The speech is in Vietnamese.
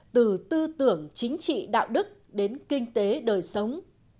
từ tư tưởng chính trị đạo đức đến kinh tế đời sống